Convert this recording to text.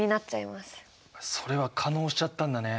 それは化のうしちゃったんだね。